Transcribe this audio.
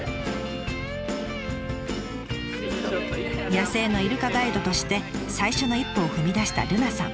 野生のイルカガイドとして最初の一歩を踏み出した瑠奈さん。